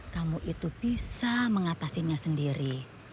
kamu itu bisa mengatasinya sendiri